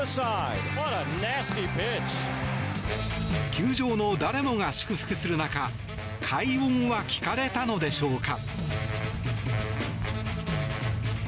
球場の誰もが祝福する中快音は聞かれたのでしょうか。